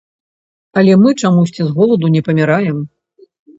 Але мы чамусьці з голаду не паміраем.